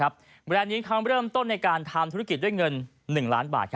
แบรนด์นี้เขาเริ่มต้นในการทำธุรกิจด้วยเงิน๑ล้านบาท